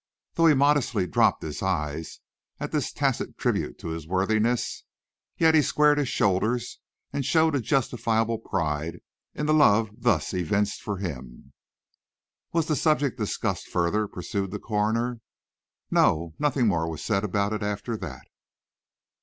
Though he modestly dropped his eyes at this tacit tribute to his worthiness, yet he squared his shoulders, and showed a justifiable pride in the love thus evinced for him. "Was the subject discussed further?" pursued the coroner. "No; nothing more was said about it after that."